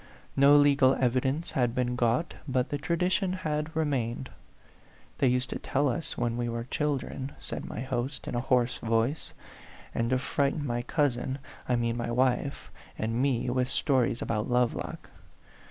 No legal evidence had been got, but the tradition had remained. "They used to tell it us when we were children," said my host, in a hoarse voice, " and to frighten my cousin I mean my wife and me with stories about Lovelock.